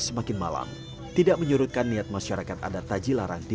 mereka bahkan memotong buah buah ini